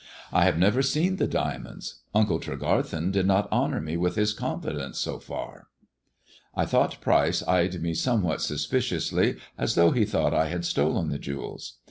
I have never seen the diamonds. Uncle Tregarthen did not honour me with his confidence so far." I thought Pryce eyed me somewhat suspiciously, as though he thought I had stolen the jewels.